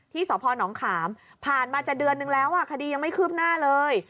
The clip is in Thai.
สพนขามผ่านมาจะเดือนนึงแล้วคดียังไม่คืบหน้าเลย